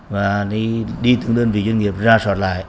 và đi tương đơn vì doanh nghiệp ra soát lại